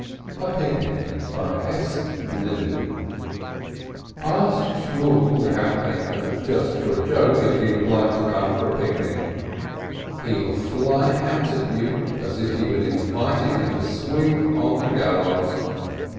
A PICNIC Ask Shmuel, the capmaker, just for a joke, if he would like to come for a picnic! He'll fly out at you as if you had invited him to a swing on the gallows.